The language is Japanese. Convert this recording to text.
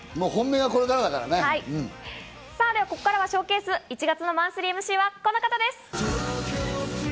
はい、ここからはＳＨＯＷＣＡＳＥ、１月のマンスリーＭＣはこの方です！